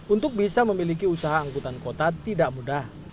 untuk bisa memiliki usaha angkutan kota tidak mudah